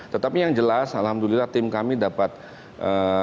tetapi yang jelas alhamdulillah tim kami dapat mengembangkan